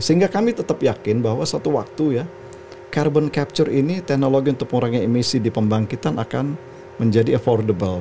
sehingga kami tetap yakin bahwa suatu waktu ya carbon capture ini teknologi untuk mengurangi emisi di pembangkitan akan menjadi affordable